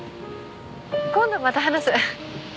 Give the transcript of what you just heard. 今度また話す。